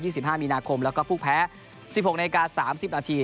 สิบห้ามีนาคมแล้วก็ผู้แพ้สิบหกนาฬิกาสามสิบนาที